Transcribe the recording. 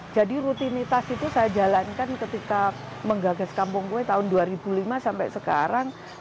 jadi rutinitas itu saya jalankan ketika menggagas kampung kue tahun dua ribu lima sampai sekarang